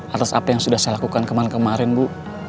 atas apa yang sudah saya lakukan kemarin kemarin bu